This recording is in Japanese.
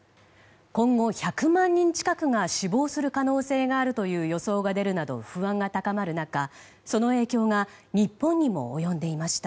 今後１００万人近くが死亡する可能性があるという予想が出るなど不安が高まる中その影響は日本にも及んでいました。